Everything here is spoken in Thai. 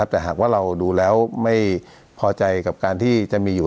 แต่หากว่าเราดูแล้วไม่พอใจกับการที่จะมีอยู่